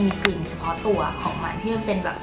มีกลิ่นเฉพาะตัวของมันที่มันเป็นแบบ